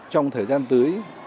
trong thời gian tới